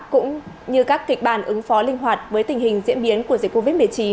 cũng như các kịch bản ứng phó linh hoạt với tình hình diễn biến của dịch covid một mươi chín